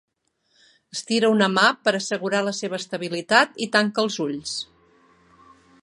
Estira una mà per assegurar la seva estabilitat i tanca els ulls.